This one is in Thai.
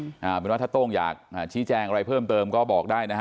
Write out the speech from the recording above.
เอาเป็นว่าถ้าโต้งอยากชี้แจงอะไรเพิ่มเติมก็บอกได้นะฮะ